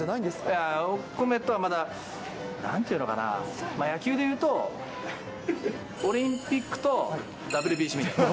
いやー、お米とはまた、なんていうのかな、野球でいうと、オリンピックとＷＢＣみたいな。